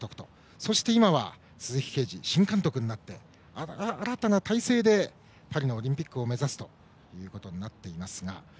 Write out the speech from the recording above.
そして今鈴木桂治新監督になって新たな体制でパリオリンピックを目指すことになっています。